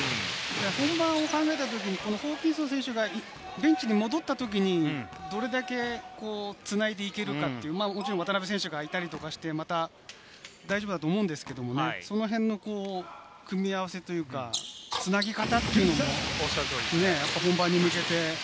本番を考えたときにホーキンソン選手がベンチに戻ったときに、どれだけ繋いでいけるかっていう、渡邉選手がいたりとかして大丈夫だと思うんですけれども、その辺の組み合わせというか、繋ぎ方というのも本番に向けて。